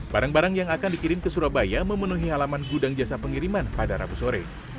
barang barang yang akan dikirim ke surabaya memenuhi halaman gudang jasa pengiriman pada rabu sore